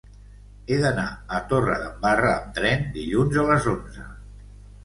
He d'anar a Torredembarra amb tren dilluns a les onze.